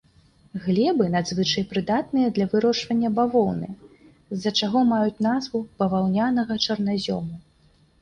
Глебы надзвычай прыдатныя для вырошчвання бавоўны, з-за чаго маюць назву баваўнянага чарназёму.